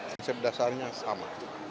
konsep dasarnya sama